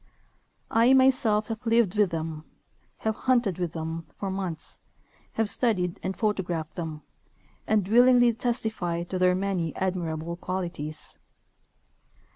I. myself have lived with them, have hunted with them for months, have studied and photographed them, and willingly testify to their many admirable qualities.